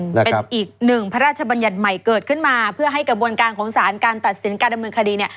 เป็นอีกหนึ่งพระราชบัญญัติใหม่เกิดขึ้นมาเพื่อให้กระบวนการของสารการตัดสินการดำเนินคดีเนี่ย